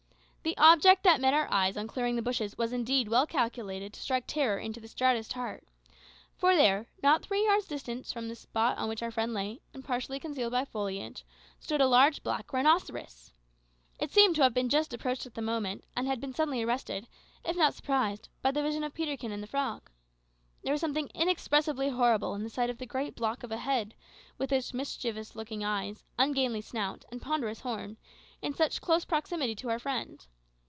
The object that met our eyes on clearing the bushes was indeed well calculated to strike terror into the stoutest heart; for there, not three yards distant from the spot on which our friend lay, and partially concealed by foliage, stood a large black rhinoceros. It seemed to have just approached at that moment, and had been suddenly arrested, if not surprised, by the vision of Peterkin and the frog. There was something inexpressibly horrible in the sight of the great block of a head, with its mischievous looking eyes, ungainly snout, and ponderous horn, in such close proximity to our friend.